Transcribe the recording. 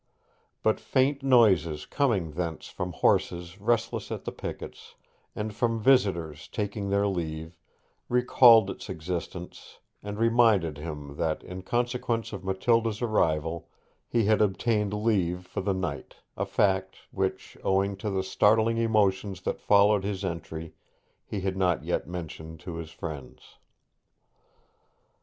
But faint noises coming thence from horses restless at the pickets, and from visitors taking their leave, recalled its existence, and reminded him that, in consequence of Matilda's arrival, he had obtained leave for the night a fact which, owing to the startling emotions that followed his entry, he had not yet mentioned to his friends.